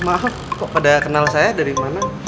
maaf kok pada kenal saya dari mana